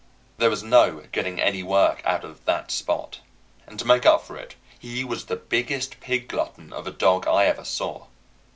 There was no getting any work out of that Spot; and to make up for it, he was the biggest pig glutton of a dog I ever saw.